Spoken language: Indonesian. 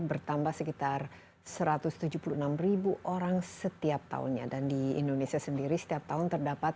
bertambah sekitar satu ratus tujuh puluh enam orang setiap tahunnya dan di indonesia sendiri setiap tahun terdapat